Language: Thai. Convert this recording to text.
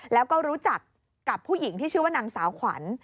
แล้วก็รู้จักกับผู้หญิงที่ชื่อว่านางสาวขวัญ